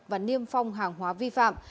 và niêm phong hàng hóa vi phạm